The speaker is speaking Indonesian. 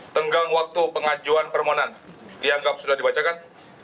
tenggang waktu pengajuan permohonan dianggap sudah dibacakan